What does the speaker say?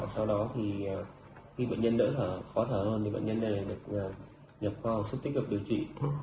sau đó thì khi bệnh nhân đỡ thở khó thở hơn thì bệnh nhân này được nhập kho sức tích cực điều trị